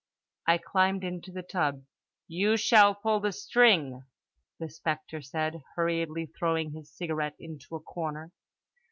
I climbed into the tub. "You shall pull the string," the spectre said, hurriedly throwing his cigarette into a corner.